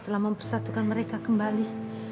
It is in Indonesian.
telah mempersatukan mereka kembali